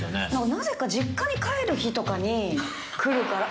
なぜか実家に帰る日とかにくるから。